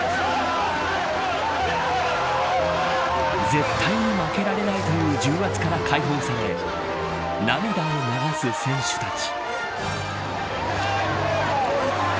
絶対に負けられないという重圧から解放され涙を流す選手たち。